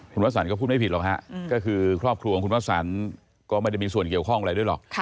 คุณวสันก็พูดไม่ผิดหรอกฮะก็คือครอบครัวของคุณวสันก็ไม่ได้มีส่วนเกี่ยวข้องอะไรด้วยหรอก